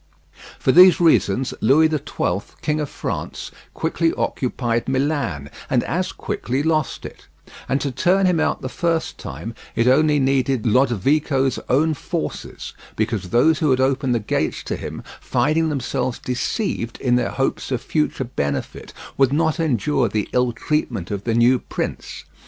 For these reasons Louis the Twelfth, King of France, quickly occupied Milan, and as quickly lost it; and to turn him out the first time it only needed Lodovico's own forces; because those who had opened the gates to him, finding themselves deceived in their hopes of future benefit, would not endure the ill treatment of the new prince.